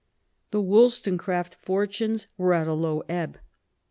The Woll stonecraft fortunes were at low ebb.